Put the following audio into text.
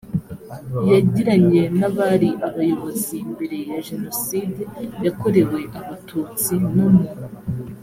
yagiranye n abari abayobozi mbere ya jenoside yakorewe abatutsi no mu